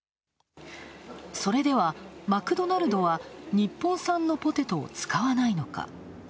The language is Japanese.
それでは、マクドナルドは日本産のポテトを使わないのか。